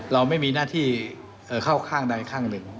เราไม่มีหน้าที่เข้าข้างใดข้างหนึ่ง